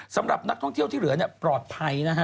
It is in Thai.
สำหรับนักท่องเที่ยวที่เหลือปลอดภัยนะฮะ